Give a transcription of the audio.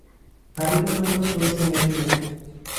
হারিকেনের আলো পড়েছে মেয়েটির মুখে।